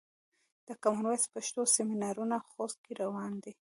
د کامن وایس پښتو سمینارونه خوست کې روان دي.